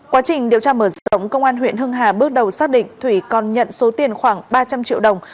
quá trình điều tra mở rộng công an huyện hưng hà bước đầu xác định thủy còn nhận số tiền khoảng ba trăm linh triệu đồng